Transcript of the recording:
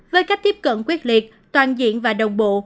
với cách tiếp cận quyết liệt toàn diện và đồng bộ